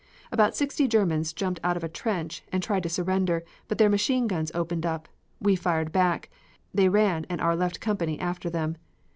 About sixty Germans jumped out of a trench and tried to surrender, but their machine guns opened up, we fired back, they ran and our left company after them.